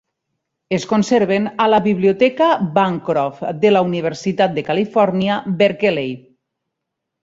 Es conserven a la Biblioteca Bancroft de la Universitat de Califòrnia, Berkeley.